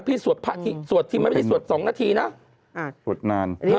พี่สวดพระที่ไม่สวดสองนาทีนะ